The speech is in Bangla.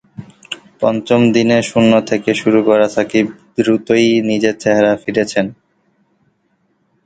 পঞ্চম দিনে শূন্য থেকে শুরু করা সাকিব দ্রুতই নিজের চেহারায় ফিরেছেন।